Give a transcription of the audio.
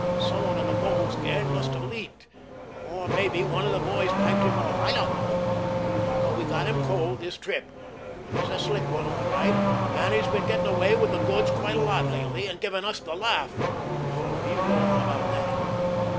Someone of the Mole's gang must have leaked; or maybe one of our boys piped him off. I dunno. But we got him cold this trip. He's a slick one all right, and he's been getting away with the goods quite a lot lately, and giving us the laugh. You know all about that.